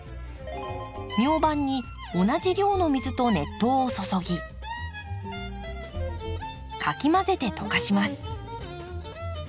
ミョウバンに同じ量の水と熱湯を注ぎかき混ぜて溶かします。